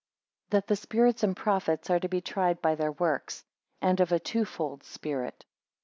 That the spirits and prophets are to be tried by their works; and of a twofold, spirit.